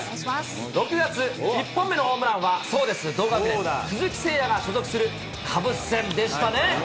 ６月、１本目のホームランは、そうです、同学年、鈴木誠也が所属するカブス戦でしたね。